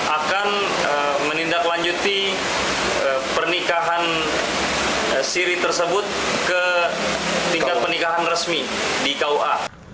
akan menindaklanjuti pernikahan siri tersebut ke tingkat pernikahan resmi di kua